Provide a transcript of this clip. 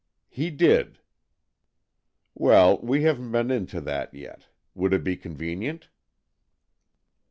" He did." ''Well, we haven't been into that yet. Would it be convenient?"